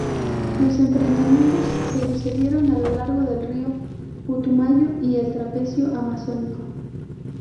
Los enfrentamientos se sucedieron a lo largo del río Putumayo y el trapecio amazónico.